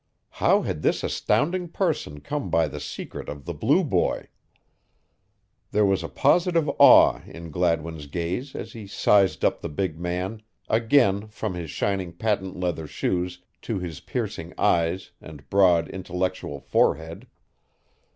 How had this astounding person come by the secret of "The Blue Boy?" There was a positive awe in Gladwin's gaze as he sized up the big man again from his shining patent leather shoes to his piercing eyes and broad, intellectual forehead.